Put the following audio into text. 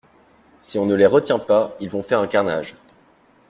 Si on ne les retient pas, ils vont faire un carnage.